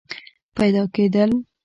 پیدا کېدل